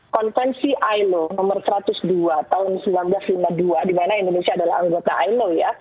konvensi ilo nomor satu ratus dua tahun seribu sembilan ratus lima puluh dua dimana indonesia adalah anggota ilo ya